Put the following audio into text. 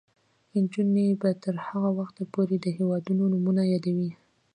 نجونې به تر هغه وخته پورې د هیوادونو نومونه یادوي.